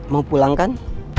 mau pulang kan